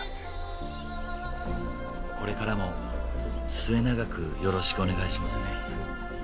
これからも末永くよろしくお願いしますね。